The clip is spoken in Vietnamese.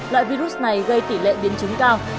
loại virus này gây tỷ lệ biến chứng cao